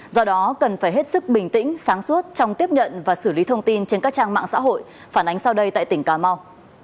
do đó cần phải hết sức bình tĩnh sáng suốt trong tiếp nhận và xử lý thông tin trên các trang mạng xã hội phản ánh sau đây tại tỉnh cà mau